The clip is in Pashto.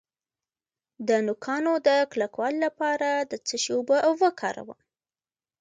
د نوکانو د کلکوالي لپاره د څه شي اوبه وکاروم؟